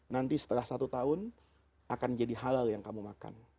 nanti setelah satu tahun akan jadi halal yang kamu makan